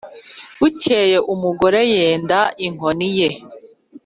bukeye umugore yenda inkoni ye,